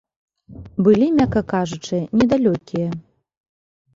Былі, мякка кажучы, недалёкія.